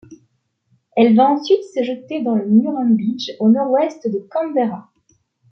Elle va ensuite se jeter dans le Murrumbidgee au nord ouest de Canberra.